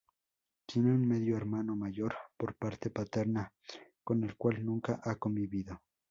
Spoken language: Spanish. Tiene un medio hermano mayor por parte paterna con el cual nunca ha convivido.